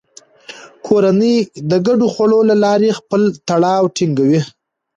کورنۍ د ګډو خوړو له لارې خپل تړاو ټینګوي